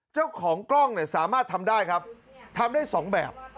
เจ้าของกล้องเนี่ยสามารถทำได้ครับทำได้สองแบบ